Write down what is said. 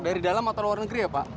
dari dalam atau luar negeri ya pak